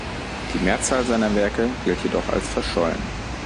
Die Mehrzahl seiner Werke gilt jedoch als verschollen.